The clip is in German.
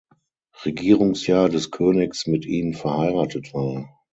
Regierungsjahr des Königs mit ihm verheiratet war.